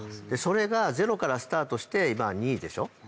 それがゼロからスタートして今２位でしょ？